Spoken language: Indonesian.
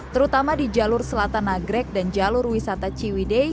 terutama di jalur selatan nagrek dan jalur wisata ciwidei